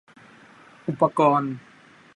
อุปกรณ์